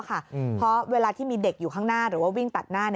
เพราะเวลาที่มีเด็กอยู่ข้างหน้าหรือว่าวิ่งตัดหน้า